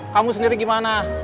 kamu sendiri gimana